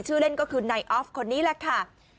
ชื่อเล่นก็คือนายออฟคนนี้แหละค่ะ